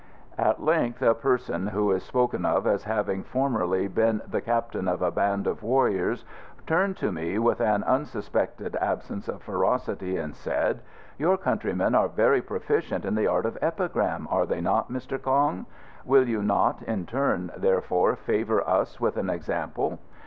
At length a person who is spoken of as having formerly been the captain of a band of warriors turned to me with an unsuspected absence of ferocity and said, "Your countrymen are very proficient in the art of epigram, are they not, Mr. Kong? Will you not, in turn, therefore, favour us with an example?"